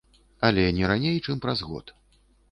Але не раней чым праз год.